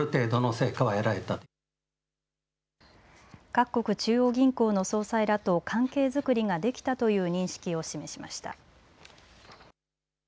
各国中央銀行の総裁らと関係作りができたという認識を示しました。